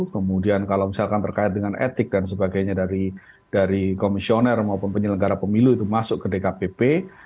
kemudian kalau misalkan terkait dengan etik dan sebagainya dari komisioner maupun penyelenggara pemilu itu masuk ke dkpp